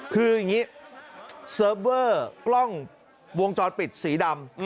คืออย่างนี้เซิร์ฟเวอร์กล้องวงจรปิดสีดำ